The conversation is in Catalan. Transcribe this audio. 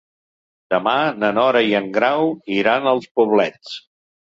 Demà na Nora i en Grau iran als Poblets.